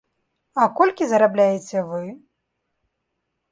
А колькі зарабляеце вы?